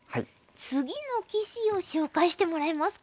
次の棋士を紹介してもらえますか？